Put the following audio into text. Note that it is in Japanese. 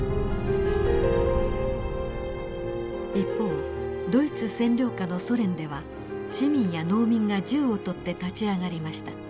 一方ドイツ占領下のソ連では市民や農民が銃を取って立ち上がりました。